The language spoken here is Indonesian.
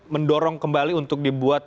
mendorong kembali untuk dibuat